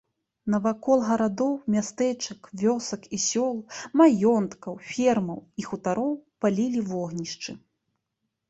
Навакол гарадоў, мястэчак, вёсак і сёл, маёнткаў, фермаў і хутароў палілі вогнішчы.